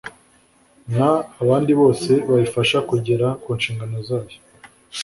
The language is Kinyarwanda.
n abandi bose bayifasha kugera ku nshingano zayo